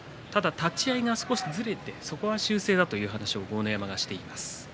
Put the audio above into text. ただ立ち合いが少しずれてそこは修正だという話を豪ノ山がしています。